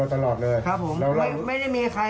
ชื่อเล่นที่เรียกกัน